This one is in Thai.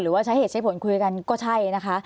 ว่าใช้เหตุใช้ผลคุยกันก็ใช่นะคะ